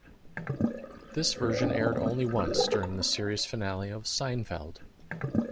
This version aired only once, during the series finale of "Seinfeld".